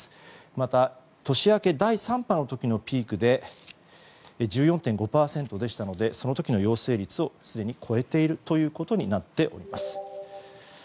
また、年明け第３波の時のピークで１４．５％でしたのでその時の陽性率をすでに超えているということになっております。